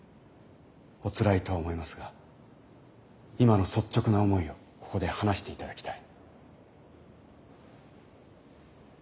おつらいとは思いますが今の率直な思いをここで話していただきたい。